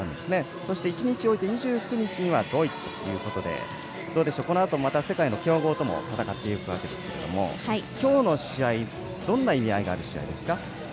そして１日おいて２９日にはドイツということでこのあと世界の強豪とも戦っていくわけですが今日の試合、どんな意味がある試合ですか？